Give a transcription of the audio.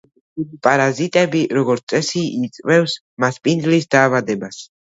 პარაზიტები, როგორც წესი, იწვევენ მასპინძლის დაავადებას.